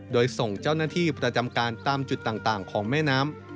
โดยส่งเจ้าหน้าที่ประจำการตามจุดต่างของแม่น้ำ